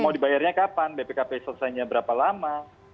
mau dibayarnya kapan bpkp selesainya berapa lama